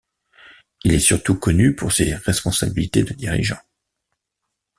Il est surtout connu pour ses responsabilités de dirigeant.